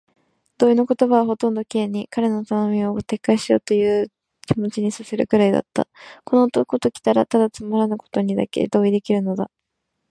同意の言葉はほとんど Ｋ に、彼の頼みを撤回しようというという気持にさせるくらいだった。この男ときたら、ただつまらぬことにだけ同意できるのだ。